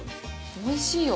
おいしいよ。